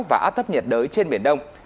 và áp thấp nhiệt đới trên biển đông